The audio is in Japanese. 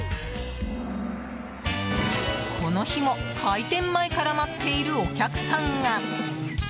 この日も、開店前から待っているお客さんが。